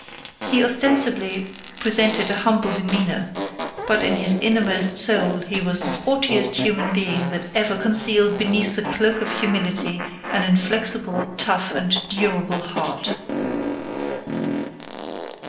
He ostensibly presented a humble demeanor, but in his innermost soul he was the haughtiest human being that ever concealed beneath the cloak of humility an inflexible, tough, and durable heart.